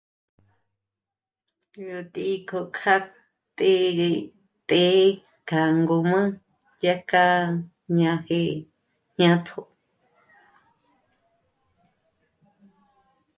Yó t'ǐ'i kjo kjátë́gë të́'ë kja ngǔm'ü dyàkja náji jñátjo